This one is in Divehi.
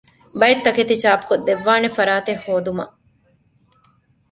ބައެއް ތަކެތި ޗާޕުކޮށްދެއްވާނެ ފަރާތެއް ހޯދުމަށް